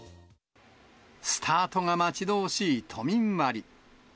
スタートが待ち遠しい都民割。